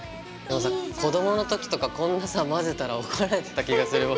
子供の時とかこんなさ混ぜたら怒られてた気がする僕。